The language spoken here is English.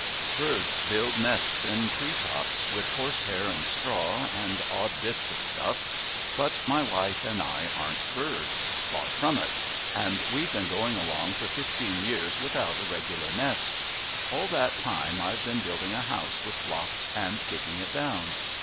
Birds build nests in tree tops with horse hair and straw, and odd bits of stuff; but my wife and I aren't birds. Far from it. And we've been going along for fifteen years without a regular nest. All that time I've been building a house with blocks and kicking it down.